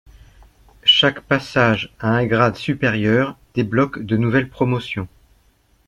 Chaque passage à un grade supérieur débloque de nouvelles promotions.